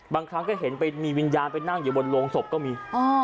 บางครั้งก็เห็นไปมีวิญญาณไปนั่งอยู่บนโรงศพก็มี